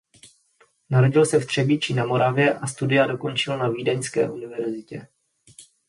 Narodil se v Třebíči na Moravě a studia dokončil na vídeňské univerzitě.